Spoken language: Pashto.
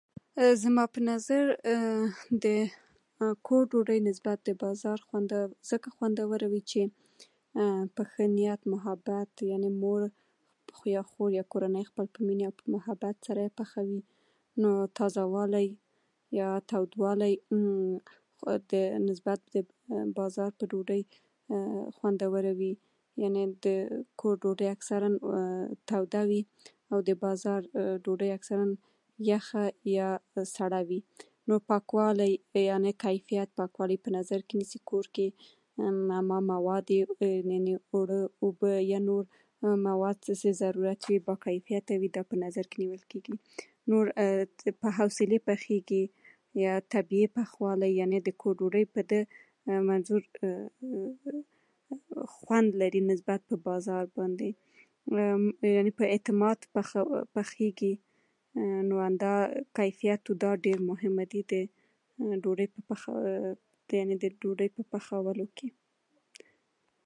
زما په نظر، د کور ډوډۍ نظر د بازار ته ځکه خوندوره وي چې په ښه نیت او محبت، یعنې مور يا خور یا کورنۍ په مينې او محبت سره پخوي. نو تازه والی یا تودوالی د نسبت د بازار د ډوډۍ خوندوره وي. یعنې د کور د ډوډۍ اکثرا توده وي، او د بازار ډوډۍ یخه یا سړه وي. نو پاکوالی یا کیفیت، پاکوالی په نظر کې نيسي. په کور کې اومه مواد یې، یعنې وړه، اوبه، یا نور مواد، څه چې ضرورت وي، باکیفیته وي. دا په نظر کې نیول کېږي. نور په حوصلې پخېږي. طبيعي پخوالی؛ یعنې د کور ډوډۍ په دې منظور خوند لري نظر په بازار باندې. یعنې په اعتماد پخ پخېږي. نو همدا کیفیت دا ډېر مهمه دي د ډوډۍ په پخ، يعنې ډوډۍ په پخولو کې.